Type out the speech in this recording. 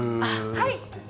はい。